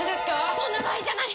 そんな場合じゃない！